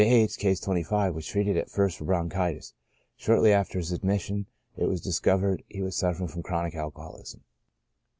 H. (Case 25,) vi^as treated at first for bronchitis, shortly after his admission it was discovered he was suffering from chronic alcoholism.